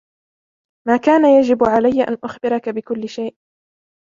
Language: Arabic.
ما كان يجب علي أن أخبرك بكل شيء